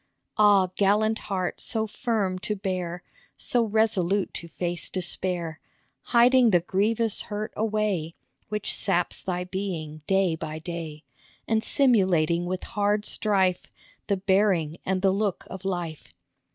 Ah, gallant heart, so firm to bear, So resolute to face despair, Hiding the grievous hurt away Which saps thy being day by day, And simulating with hard strife The bearing and the look of life.